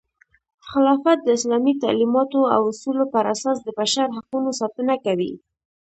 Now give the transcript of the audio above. خلافت د اسلامي تعلیماتو او اصولو پراساس د بشر حقونو ساتنه کوي.